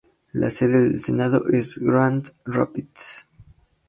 La sede del condado es Grand Rapids.